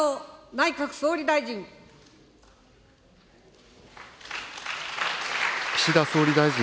内閣総理大臣。